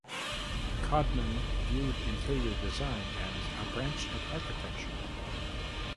Codman viewed interior design as "a branch of architecture".